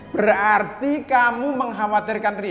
berarti kamu mengkhawatirkan